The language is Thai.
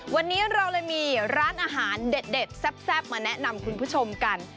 วันนี้เราเลยมีร้านอาหารเด็ดแซ่บมาแนะนำคุณผู้ชมกัน